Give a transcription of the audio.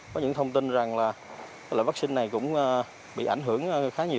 có những thông tin rằng là loại vaccine này cũng bị ảnh hưởng khá nhiều